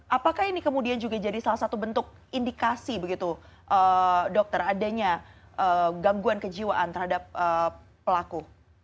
apakah ini kemudian juga jadi salah satu bentuk indikasi begitu dokter adanya gangguan kejiwaan terhadap pelaku